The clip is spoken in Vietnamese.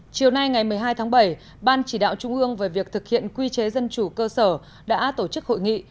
chiều nay ngày một mươi hai tháng bảy ban chỉ đạo trung ương về việc thực hiện quy chế dân chủ cơ sở đã tổ chức hội nghị